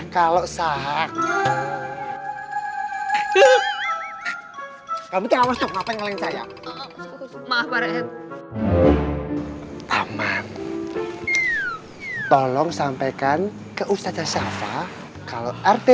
kalau sahak kamu tahu apa yang saya maaf barang aman tolong sampaikan ke ustazah syafa kalau rt